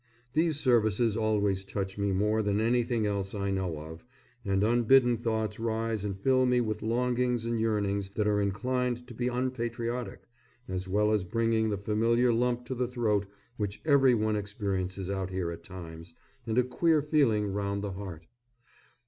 These services always touch me more than anything else I know of, and unbidden thoughts rise and fill me with longings and yearnings that are inclined to be unpatriotic, as well as bringing the familiar lump to the throat which every one experiences out here at times, and a queer feeling round the heart.